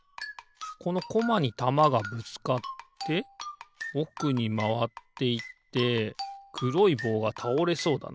このコマにたまがぶつかっておくにまわっていってくろいぼうがたおれそうだな。